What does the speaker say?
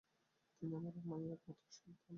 তিনি তার মায়ের একমাত্র সন্তান ছিলেন।